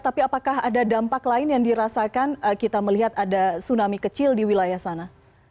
tapi apakah ada dampak lain yang dirasakan kita melihat ada tsunami kecil di wilayah sana